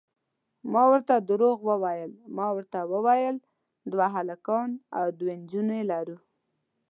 ما ورته درواغ وویل، ما ورته وویل دوه هلکان او دوې نجونې لرو.